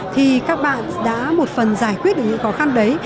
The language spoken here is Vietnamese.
thì các bạn đã một phần giải quyết được những khó khăn đấy